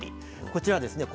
こちらはですね